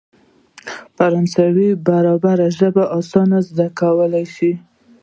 فرانسې بربري ژبه اسانه زده کولای شو.